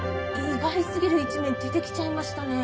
意外すぎる一面出てきちゃいましたね。